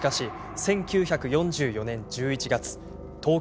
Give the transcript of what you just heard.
１９４４年１１月１日。